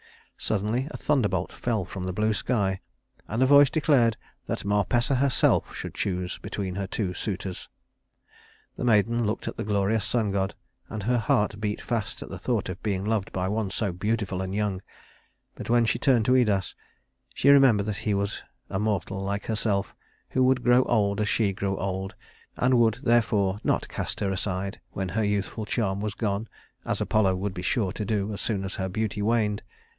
Suddenly a thunderbolt fell from the blue sky, and a voice declared that Marpessa herself should choose between her two suitors. The maiden looked at the glorious sun god, and her heart beat fast at the thought of being loved by one so beautiful and young; but when she turned to Idas, she remembered that he was a mortal like herself, who would grow old as she grew old, and would, therefore, not cast her aside when her youthful charm was gone, as Apollo would be sure to do as soon as her beauty waned.